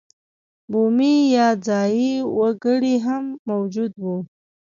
بومي یا ځايي وګړي هم موجود وو.